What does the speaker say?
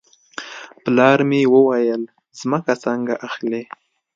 پلار مې وویل ځمکه څنګه اخلې.